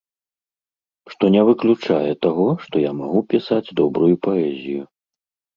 Што не выключае таго, што я магу пісаць добрую паэзію.